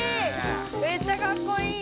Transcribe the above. めっちゃかっこいい！